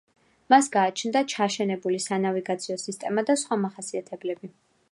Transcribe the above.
მას გააჩნდა ჩაშენებული სანავიგაციო სისტემა და სხვა მახასიათებლები.